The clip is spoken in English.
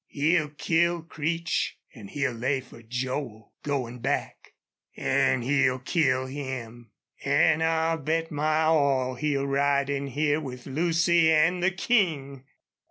He'll kill Creech, an' he'll lay fer Joel goin' back an' he'll kill him.... An' I'll bet my all he'll ride in here with Lucy an' the King!"